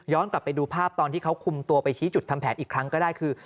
กลับไปดูภาพตอนที่เขาคุมตัวไปชี้จุดทำแผนอีกครั้งก็ได้คือ